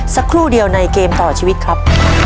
สักครู่เดียวในเกมต่อชีวิตครับ